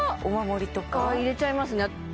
お守りとかああ入れちゃいますね